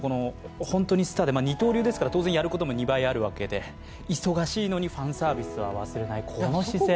二刀流ですから当然やることも２倍あるわけで忙しいのにファンサービスは忘れない、この姿勢。